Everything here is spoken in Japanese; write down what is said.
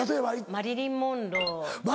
マリリン・モンロー！